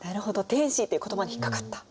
「天子」っていう言葉に引っ掛かった。